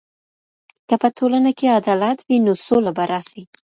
که په ټولنه کي عدالت وي نو سوله به راسي.